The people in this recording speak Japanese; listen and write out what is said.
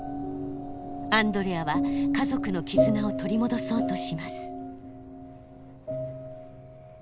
アンドレアは家族の絆を取り戻そうとします。